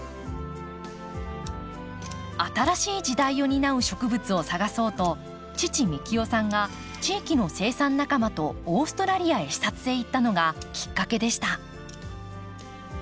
新しい時代を担う植物を探そうと父幹雄さんが地域の生産仲間とオーストラリアへ視察へ行ったのがきっかけでした。